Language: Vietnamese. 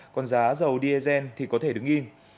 còn giá dầu dsn thì có thể đứng yên